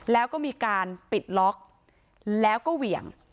แล้วก็มีการปิดล็อกแล้วก็เหวี่ยง